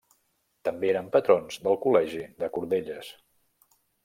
També eren patrons del Col·legi de Cordelles.